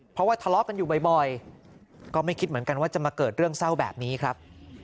เพราะว่าทะเลาะกันอยู่บ่อยก็ไม่คิดเหมือนกันว่าจะมาเกิดเรื่องเศร้าแบบนี้ครับ